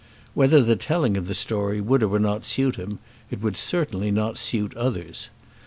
Whether the telling of the story would or would not suit him, it certainly would not suit others.